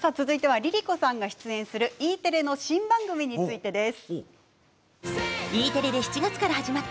続いてはＬｉＬｉＣｏさんが出演するＥテレの新番組についてです。